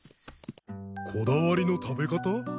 こだわりの食べ方？